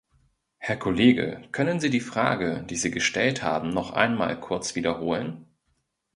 Herr Kollege, können Sie die Frage, die Sie gestellt haben, noch einmal kurz wiederholen?